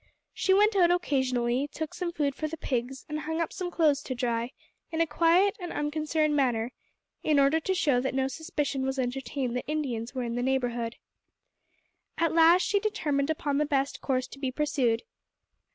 She went out occasionally, took some food for the pigs, and hung up some clothes to dry, in a quiet and unconcerned manner, in order to show that no suspicion was entertained that Indians were in the neighbourhood. At last she determined upon the best course to be pursued.